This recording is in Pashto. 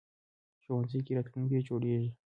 ښوونځی کې راتلونکی جوړېږي